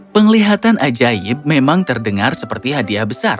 penglihatan ajaib memang terdengar seperti hadiah besar